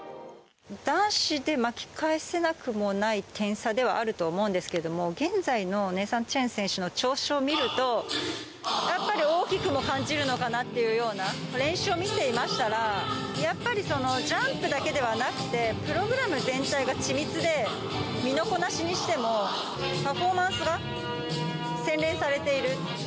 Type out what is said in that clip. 男子で巻き返せなくもない点差ではあると思うんですけれども、現在のネイサン・チェン選手の調子を見ると、やっぱり大きくも感じるのかなっていうような、練習を見ていましたら、やっぱりジャンプだけではなくて、プログラム全体が緻密で、身のこなしにしても、パフォーマンスが洗練されている。